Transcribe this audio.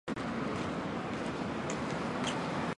耿宝袭封牟平侯。